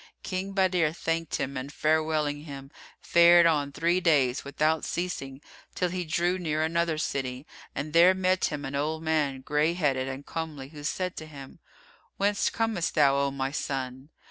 King Badr thanked him and farewelling him, fared on three days, without ceasing, till he drew near another city and there met him an old man, gray headed and comely, who said to him, "Whence comest thou, O my son?"